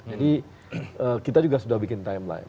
jadi kita juga sudah bikin timeline